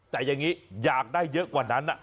แต่อย่างนี้อยากได้เยอะกว่านั้น